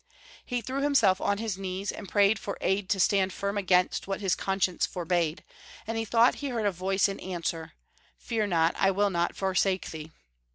He threw himself on liis knees, and prayed for aid to stand firm against what liis conscience forbade, and he thought he heard a voice in answer, " Fear not, I will not forsake thee."